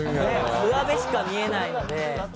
うわべしか見えないので。